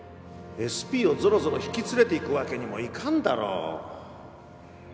ＳＰをぞろぞろ引き連れて行くわけにもいかんだろう。